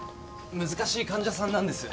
難しい患者さんなんです。